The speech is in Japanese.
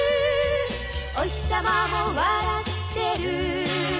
「おひさまも笑ってる」